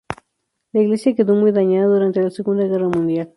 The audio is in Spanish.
La iglesia quedó muy dañada durante la Segunda Guerra Mundial.